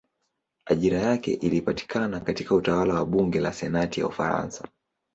Ajira yake ilipatikana katika utawala wa bunge la senati ya Ufaransa.